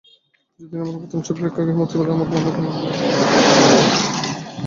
যেদিন আমার প্রথম ছবি প্রেক্ষাগৃহে মুক্তি পেল, আমার মনে আনন্দ যেন ধরে না।